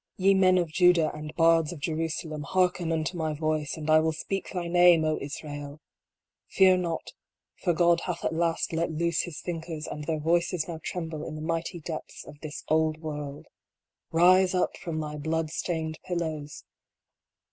Ye men of Judah and bards of Jerusalem, hearken unto my voice, and I will speak thy name, O Israel ! Fear not ; for God hath at last let loose His thinkers, and their voices now tremble in the mighty depths of this old world ! Rise up from thy blood stained pillows